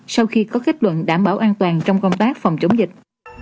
sau khi có kết luận đảm bảo an toàn trong công tác phòng chống dịch